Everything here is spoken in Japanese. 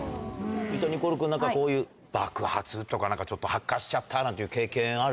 ニコル君、なんかこういう爆発とか、なんかちょっと発火しちゃったなんて経験ある？